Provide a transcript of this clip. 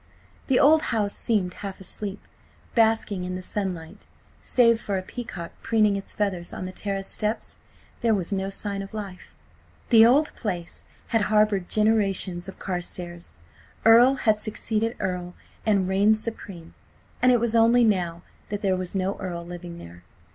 The old house seemed half asleep, basking in the sunlight. Save for a peacock preening its feathers on the terrace steps, there was no sign of life. ... The old place had harboured generations of Carstares. Earl had succeeded Earl and reigned supreme, and it was only now that there was no Earl living there.